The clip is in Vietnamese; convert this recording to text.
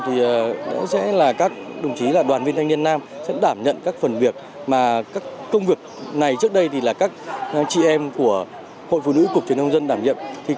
thì rõ sẽ là các đồng chí là đoàn viên thanh niên nam sẽ đảm nhận các phần việc mà các công việc này trước đây thì là các chị em của hội phụ nữ cục truyền thông dân đảm nhận